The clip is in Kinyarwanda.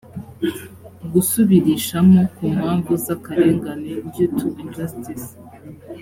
gusubirishamo ku mpamvu z akarengane due to injustice